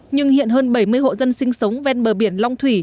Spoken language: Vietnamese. nhưng hiện hơn bảy mươi hộ dân sinh sống ven bờ biển long thủy